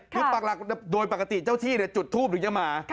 คือปากหลักโดยปกติเจ้าที่จุดทูปหรือจะมา